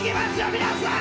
皆さん！